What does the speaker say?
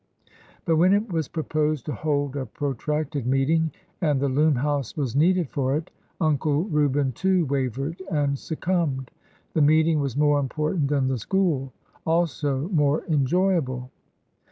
But when it was proposed to hold a pro tracted meeting and the Loom house was needed for it, Uncle Reuben, too, wavered and succumbed. The meet ing was more important than the school;— also more en joyable.